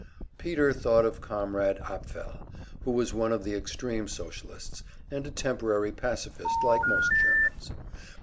Peter thought of Comrade Apfel, who was one of the extreme Socialists, and a temporary Pacifist like most Germans.